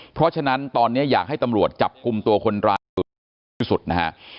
เพราะฉะนั้นตอนนี้อยากให้ตำรวจจับกลุ่มตัวคนร้าน